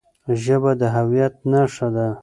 ژبه د هويت نښه ده.